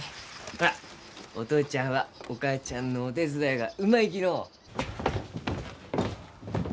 ほらお父ちゃんはお母ちゃんのお手伝いがうまいきのう。